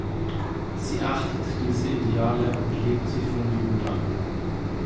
Sie achtet diese Ideale und lebt sie von Jugend an.